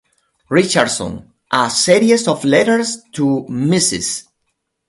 Richardson; a Series of Letters to Mrs.